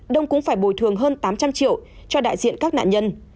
đông cũng phải bồi thường hơn tám trăm linh triệu cho đại diện các nạn nhân